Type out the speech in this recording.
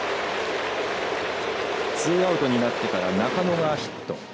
ツーアウトになってから中野がヒット。